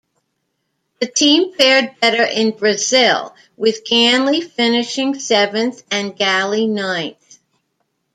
The team fared better in Brazil with Ganley finishing seventh and Galli ninth.